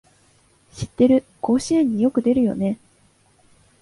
知ってる、甲子園によく出るよね